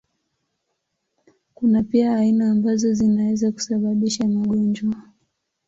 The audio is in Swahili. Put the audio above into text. Kuna pia aina ambazo zinaweza kusababisha magonjwa.